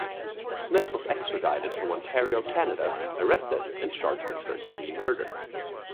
Smith was extradited from Ontario, Canada, arrested and charged with first-degree murder.